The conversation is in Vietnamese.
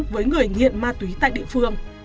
với người nghiện ma túy tại địa phương